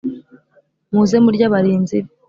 Muze murye abarinzi be